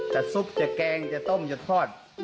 ซุปจะแกงจะต้มจะทอด